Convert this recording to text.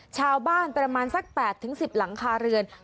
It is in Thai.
ชาวบ้านประมาณสัก๗ถึง๑๐หลังคาเรือน